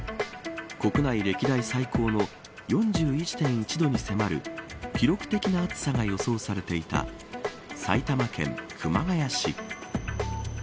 国内歴代最高の４１．１度に迫る記録的な暑さが予想されていた埼玉県熊谷市。